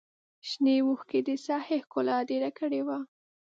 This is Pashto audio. شنې وښکې د ساحې ښکلا ډېره کړې وه.